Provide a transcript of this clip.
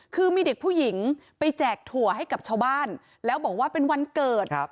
คือมีเด็กผู้หญิงไปแจกถั่วให้กับชาวบ้านแล้วบอกว่าเป็นวันเกิด